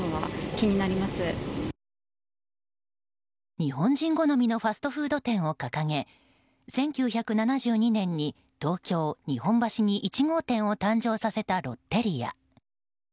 日本人好みのファストフード店を掲げ１９７２年に東京・日本橋に１号店を誕生させたロッテリア。